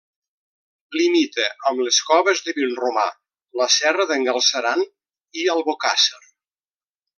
Limita amb les Coves de Vinromà, la Serra d'en Galceran i Albocàsser.